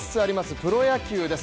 プロ野球です